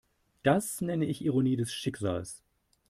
Das nenne ich Ironie des Schicksals.